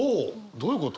どういうこと？